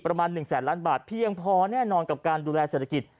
ประมาณ๑แสนล้านบาทเพียงพอแน่นอนกับการดูแลเศรษฐกิจ